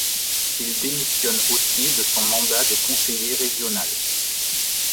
Il démissionne aussi de son mandat de conseiller régional.